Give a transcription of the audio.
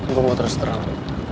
gue mau terus terang